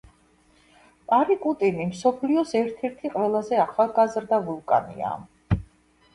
პარიკუტინი მსოფლიოს ერთ-ერთი ყველაზე ახალგაზრდა ვულკანია.